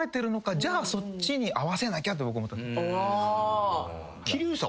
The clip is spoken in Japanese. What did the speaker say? じゃあそっちに合わせなきゃって思った。